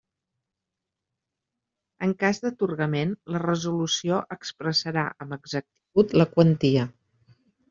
En cas d'atorgament, la resolució expressarà amb exactitud la quantia.